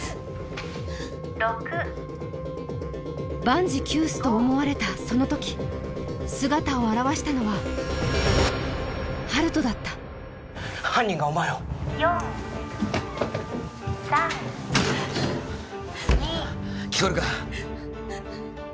万事休すと思われたその時姿を現したのは温人だった犯人がお前を４３２聞こえるか！？